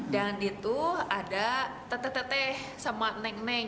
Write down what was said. dan di itu ada tete tete sama neng neng